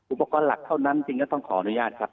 อุปกรณ์หลักเท่านั้นจริงก็ต้องขออนุญาตครับ